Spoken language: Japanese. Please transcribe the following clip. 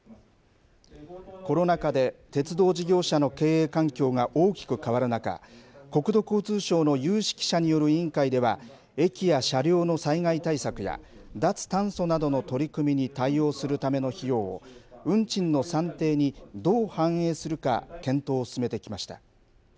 コロナ禍で鉄道事業者の経営環境が大きく変わる中、国土交通省の有識者による委員会では、駅や車両の災害対策や、脱炭素などの取り組みに対応するための費用を、運賃の算定にどう反映するか、検討を進めてきました。